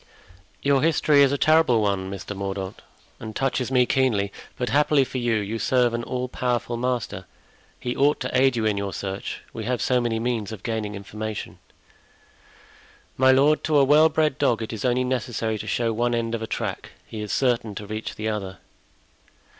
"Your history is a terrible one, Mr. Mordaunt, and touches me keenly; but happily for you, you serve an all powerful master; he ought to aid you in your search; we have so many means of gaining information." "My lord, to a well bred dog it is only necessary to show one end of a track; he is certain to reach the other."